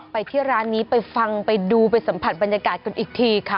ไปที่ร้านนี้ไปฟังไปดูไปสัมผัสบรรยากาศกันอีกทีค่ะ